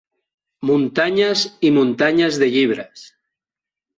Muntanyes i muntanyes de llibres.